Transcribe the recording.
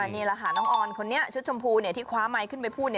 นี่แหละค่ะน้องออนคนนี้ชุดชมพูที่คว้าไมค์ขึ้นไปพูด